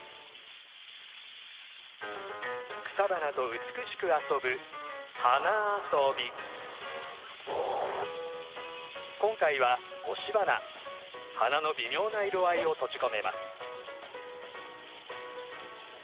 草花と美しく遊ぶ今回は花の微妙な色合いを閉じ込めます。